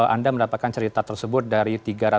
anda mendapatkan cerita tersebut dari tiga ratus delapan puluh dua